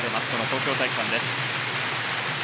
東京体育館です。